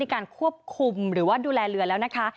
การควบคุมหรือว่าดูแลเรือแล้วนะคะ